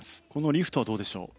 リフトはどうでしょう。